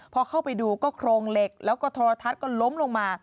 พอเข้าไปดูก็โครงเหล็กแล้วก็โทรทัศน์ก็ล้มลงมา